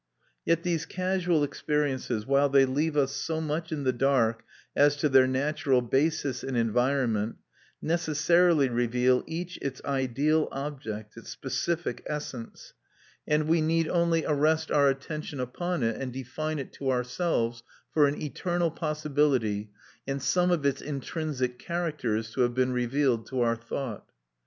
Yet these casual experiences, while they leave us so much in the dark as to their natural basis and environment, necessarily reveal each its ideal object, its specific essence; and we need only arrest our attention upon it, and define it to ourselves, for an eternal possibility, and some of its intrinsic characters, to have been revealed to our thought.